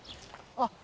あっ